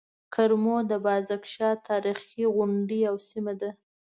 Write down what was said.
کرمو د بازک شاه تاريخي غونډۍ او سيمه ده.